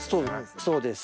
そうです。